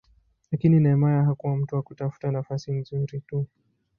Lakini Nehemia hakuwa mtu wa kutafuta nafasi nzuri tu.